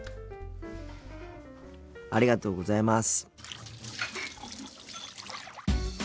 ありがとうございます。